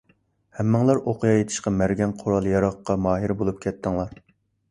ھەممىڭلار ئوقيا ئېتىشقا مەرگەن، قورال - ياراغقا ماھىر بولۇپ كەتتىڭلار.